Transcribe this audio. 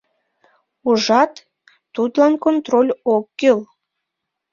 Ужат, тудлан контроль ок кӱл!